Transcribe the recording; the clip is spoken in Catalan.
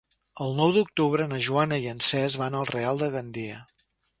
El nou d'octubre na Joana i en Cesc van al Real de Gandia.